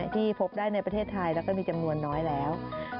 ที่พบได้ในประเทศไทยแล้วก็มีจำนวนน้อยแล้ว